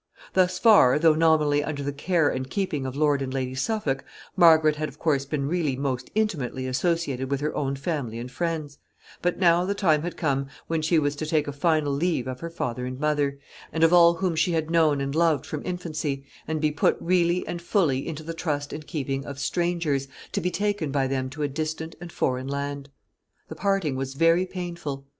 Thus far, though nominally under the care and keeping of Lord and Lady Suffolk, Margaret had of course been really most intimately associated with her own family and friends; but now the time had come when she was to take a final leave of her father and mother, and of all whom she had known and loved from infancy, and be put really and fully into the trust and keeping of strangers, to be taken by them to a distant and foreign land. The parting was very painful.